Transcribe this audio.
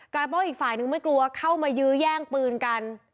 ว่าอีกฝ่ายนึงไม่กลัวเข้ามายื้อแย่งปืนกัน